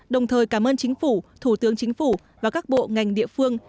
đồng thời cảm ơn chính phủ thủ tướng chính phủ và các bộ ngành địa phương